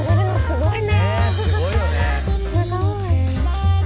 すごい。